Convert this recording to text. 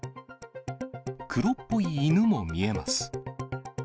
黒っぽい犬も見えます。